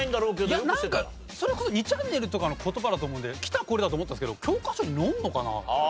いやなんかそれこそ２ちゃんねるとかの言葉だと思うんで「きたこれ」だと思ったんですけど教科書に載るのかな？